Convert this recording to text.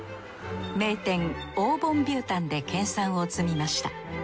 名店オー・ボン・ヴュー・タンで研さんを積みました。